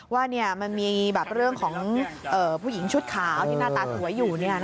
ว่ามันมีเรื่องของผู้หญิงชุดขาวที่หน้าตาสวยอยู่